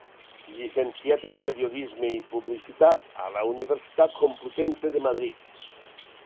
Llicenciat en Periodisme i Publicitat a la Universitat Complutense de Madrid.